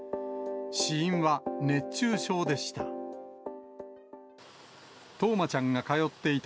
死因は熱中症でした。